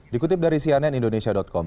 dikutip dari cnn indonesia com